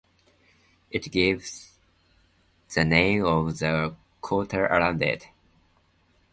It gives the name of the quarter around it.